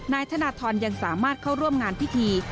นายธนทรยังสามารถเข้าร่วมงานพิธี